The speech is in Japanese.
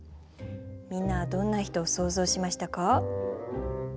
みんなはどんな人を想像しましたか？